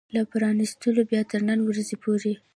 له پرانيستلو بيا تر نن ورځې پورې